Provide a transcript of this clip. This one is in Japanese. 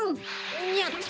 よっと。